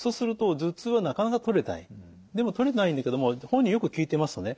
でもとれてないんだけども本人によく聞いてみますとね